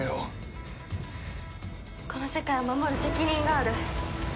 この世界を守る責任がある。